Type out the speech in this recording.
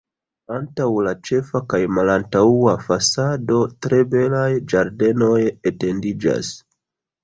Antaŭ la ĉefa kaj malantaŭa fasado tre belaj ĝardenoj etendiĝas.